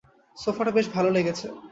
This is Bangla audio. সোফাটা বেশ ভালো লেগেছে।